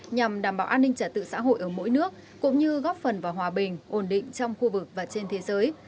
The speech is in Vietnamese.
nhằm đảm bảo an ninh trả tự xã hội ở mỗi nước cũng như góp phần vào hòa bình ổn định trong khu vực và trên thế giới